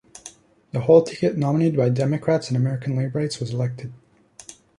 The whole ticket nominated by Democrats and American Laborites was elected.